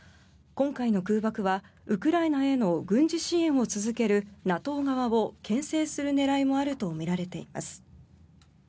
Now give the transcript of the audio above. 今回の空爆はウクライナへの軍事支援を続けるＮＡＴＯ側をけん制する狙いもあるとみられています。